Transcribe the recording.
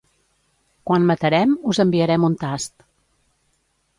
Quan matarem, us enviarem un tast.